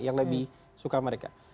yang lebih suka mereka